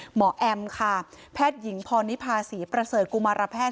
หมอแอมค่ะแพทยิงพอนิพาศีประเสริศกุมารแพทย์